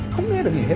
không nghe được gì hết